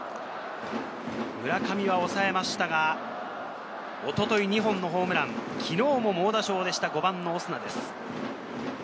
村上は抑えましたが、一昨日２本のホームラン、昨日も猛打賞でした５番のオスナです。